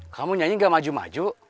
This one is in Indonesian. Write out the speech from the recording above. kamu nyanyi gak maju maju